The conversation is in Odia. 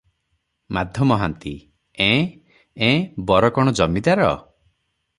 ମାଧ ମହାନ୍ତି- ଏଁ- ଏଁ ବର କଣ ଜମିଦାର?